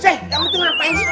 saya kamu tuh ngapain sih